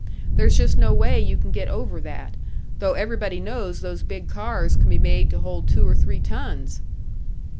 There's just no way you can get over that though everybody knows those big cars can be made to hold two or three tons."